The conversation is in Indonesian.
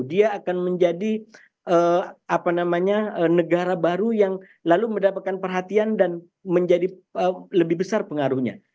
dia akan menjadi negara baru yang lalu mendapatkan perhatian dan menjadi lebih besar pengaruhnya